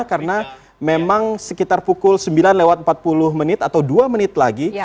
karena memang sekitar pukul sembilan lewat empat puluh menit atau dua menit lagi